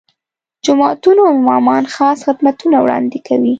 د جوماتونو امامان خاص خدمتونه وړاندې کوي.